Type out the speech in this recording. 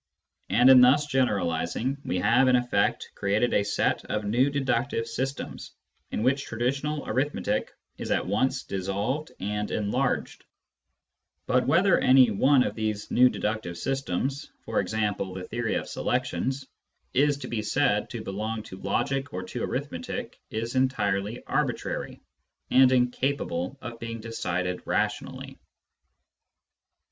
And in thus generalising we have, in effect, created a set of new deductive systems, in which traditional arithmetic is at once dissolved and enlarged ; but whether any one of these new deductive systems — for example, the theory of selections — is to be said to belong to logic or to arithmetic is entirely arbitrary, and incapable of being decided rationally.